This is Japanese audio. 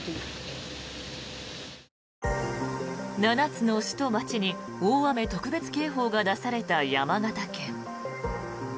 ７つの市と町に大雨特別警報が出された山形県。